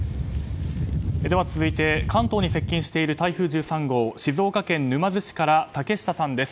続いて、関東に接近している台風１３号静岡県沼津市から竹下さんです。